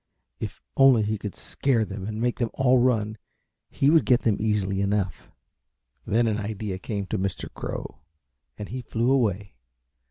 If only he could scare them and make them all run he would get them easy enough. Then an idea came to Mr. Crow and he flew away.